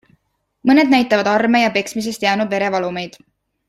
Mõned näitavad arme ja peksmisest jäänud verevalumeid.